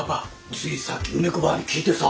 ついさっき梅子ばぁに聞いてさ。